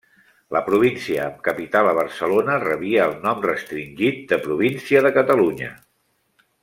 La província amb capital a Barcelona rebia el nom restringit de província de Catalunya.